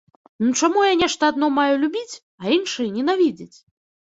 Ну чаму я нешта адно маю любіць, а іншае ненавідзець?